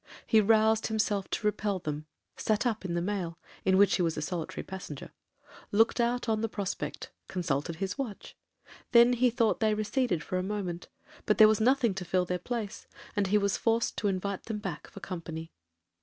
He roused himself to repel them,—sat up in the mail, in which he was a solitary passenger,—looked out on the prospect,—consulted his watch;—then he thought they receded for a moment,—but there was nothing to fill their place, and he was forced to invite them back for company.